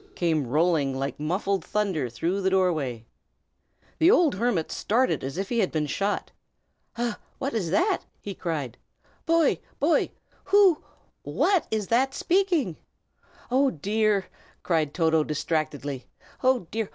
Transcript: came rolling like muffled thunder through the doorway. The old hermit started as if he had been shot. "Ah! what is that?" he cried. "Boy! boy! who what is that speaking?" "Oh, dear!" cried Toto, distractedly. "Oh, dear!